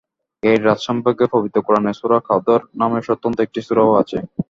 এ রাত সম্পর্কে পবিত্র কোরআনে সূরা কদর নামে স্বতন্ত্র একটি সূরাও আছে।